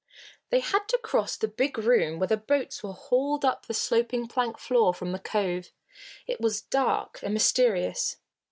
They had to cross the big room where the boats were hauled up the sloping plank floor from the cove. It was dark and mysterious.